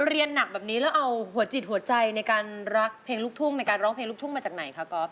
เรียนหนักแบบนี้แล้วเอาหัวจิตหัวใจทำลายเพลงลูกทุ้งมาจากไหนครับ